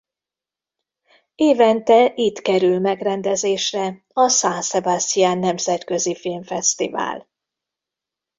Évente itt kerül megrendezésre a San Sebastián Nemzetközi Filmfesztivál.